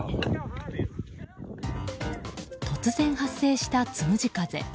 突然発生した、つむじ風。